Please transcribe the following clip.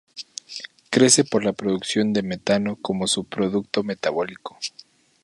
Crece por la producción de metano como subproducto metabólico.